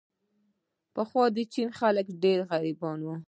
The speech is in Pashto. پخوا د چین خلک ډېر غریب وو.